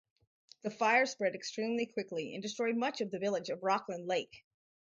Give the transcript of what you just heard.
The fire spread extremely quickly and destroyed much of the village of Rockland Lake.